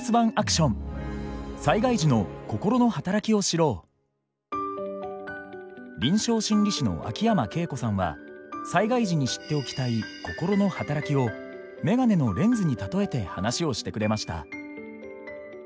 そこで臨床心理士の秋山恵子さんは災害時に知っておきたい心の働きを眼鏡のレンズに例えて話をしてくれました。